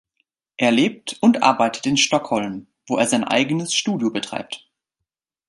Er lebt und arbeitet in Stockholm, wo er sein eigenes Studio betreibt.